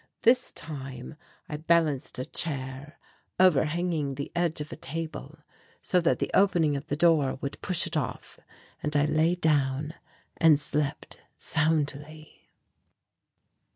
This time I balanced a chair overhanging the edge of a table so that the opening of the door would push it off, and I lay down and slept soundly.